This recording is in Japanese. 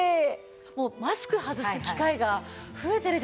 もうマスク外す機会が増えてるじゃないですか。